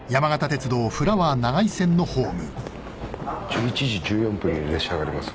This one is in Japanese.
１１時１４分の列車があります。